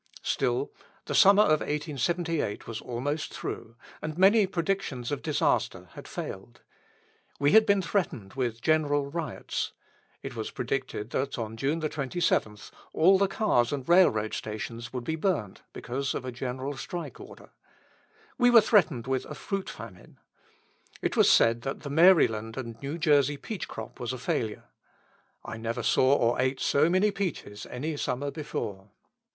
Still, the summer of 1878 was almost through, and many predictions of disaster had failed. We had been threatened with general riots. It was predicted that on June 27 all the cars and railroad stations would be burned, because of a general strike order. We were threatened with a fruit famine. It was said that the Maryland and New Jersey peach crop was a failure. I never saw or ate so many peaches any summer before.